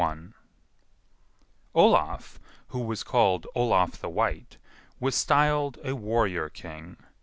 [Olaf, who was called Olaf the White, was styled a warrior king.